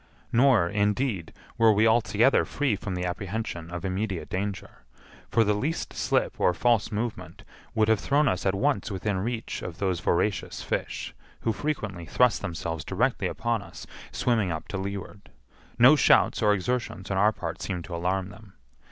Nor, indeed, were we altogether free from the apprehension of immediate danger, for the least slip or false movement would have thrown us at once within reach of those voracious fish, who frequently thrust themselves directly upon us, swimming up to leeward. No shouts or exertions on our part seemed to alarm them.